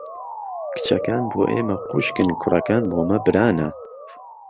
کچەکان بۆ ئێمە خووشکن کوڕەکان بۆمە برانە